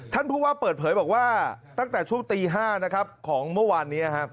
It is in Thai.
ท่านผู้ว่าเปิดเผยบอกว่าตั้งแต่ช่วงตี๕นะครับของเมื่อวานนี้ครับ